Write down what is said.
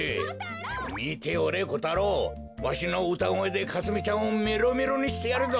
みておれコタロウ！わしのうたごえでかすみちゃんをメロメロにしてやるぞ！